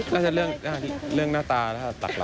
ก็จะเรื่องหน้าตาแล้วก็ตักหลัก